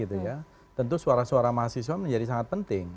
tentu suara suara mahasiswa menjadi sangat penting